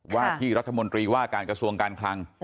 ว่าที่รัฐมนตรีว่าการกระทรวงการคลัง